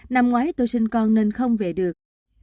năm ngoái tôi sinh con nên không về được